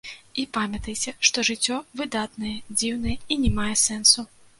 І памятайце, што жыццё выдатнае, дзіўнае і не мае сэнсу.